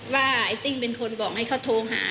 ว่าไอ้ติ้งเป็นคนบอกให้เขาโทรหา